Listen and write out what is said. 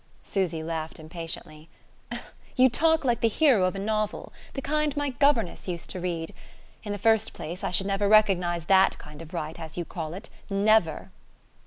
Susy laughed impatiently. "You talk like the hero of a novel the kind my governess used to read. In the first place I should never recognize that kind of right, as you call it never!"